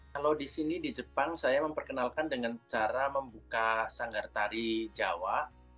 kalau di sini di jepang saya memperkenalkan dengan cara membuka sanggar tari jawa